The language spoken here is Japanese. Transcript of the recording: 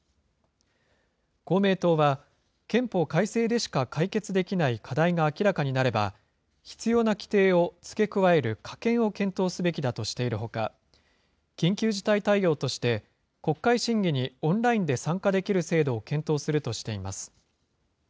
公明党は、憲法改正でしか解決できない課題が明らかになれば、必要な規定を付け加える加憲を検討すべきだとしているほか、緊急事態対応として、国会審議にオンラインで参加できる制度を検討するとしています。